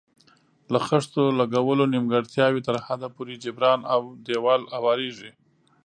د خښتو لګولو نیمګړتیاوې تر حده پورې جبران او دېوال اواریږي.